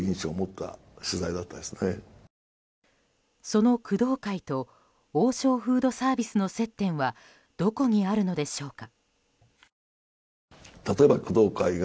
その工藤会と王将フードサービスの接点はどこにあるのでしょうか。